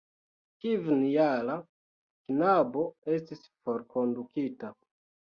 Kvinjara knabo estis forkondukita.